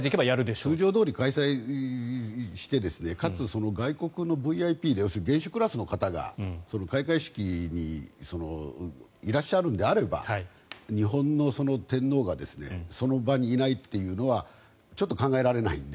通常どおり開催してかつ、外国のＶＩＰ元首クラスの方が開会式にいらっしゃるのであれば日本の天皇がその場にいないというのはちょっと考えられないので。